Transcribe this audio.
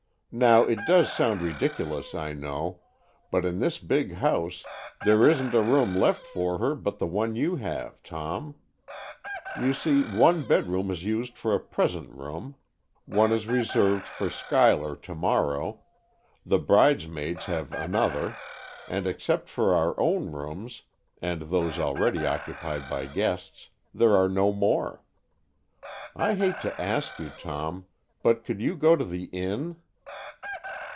Now, it does sound ridiculous, I know, but in this big house there isn't a room left for her but the one you have, Tom. You see, one bedroom is used for a 'present room,' one is reserved for Schuyler to morrow, the bridesmaids have another, and except for our own rooms, and those already occupied by guests, there are no more. I hate to ask you, Tom, but could you go to the Inn?"